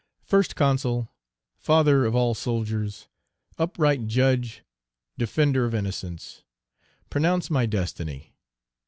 First Consul, father of all soldiers, upright judge, defender of innocence, pronounce my destiny.